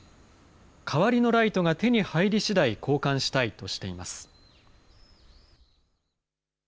代わりのライトが手に入りしだい交換したいとしています。